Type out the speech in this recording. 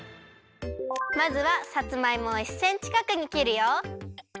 まずはさつまいもを１センチかくにきるよ。